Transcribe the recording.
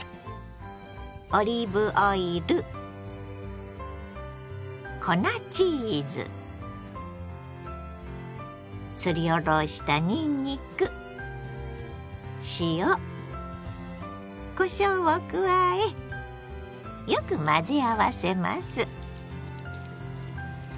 オリーブオイル粉チーズすりおろしたにんにく塩こしょうを加えよく混ぜ合わせます。